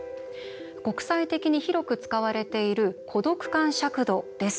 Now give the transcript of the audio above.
国際的に広く使われている孤独感尺度です。